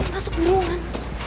masuk belom kan